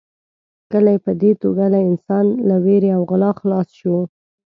کلی په دې توګه له انسان له وېرې او غلا خلاص شو.